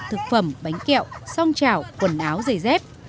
thực phẩm bánh kẹo song chảo quần áo giày dép